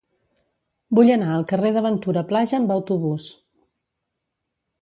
Vull anar al carrer de Ventura Plaja amb autobús.